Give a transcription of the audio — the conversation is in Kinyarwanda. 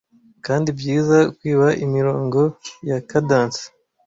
kandi byiza kwiba imirongo ya kadence